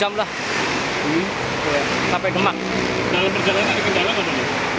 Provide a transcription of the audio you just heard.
dalam perjalanan ada kendaraan atau tidak